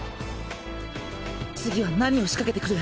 次は何を仕掛けてくる？